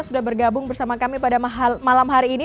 sudah bergabung bersama kami pada malam hari ini